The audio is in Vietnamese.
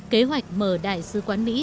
kế hoạch mở đại sứ quán mỹ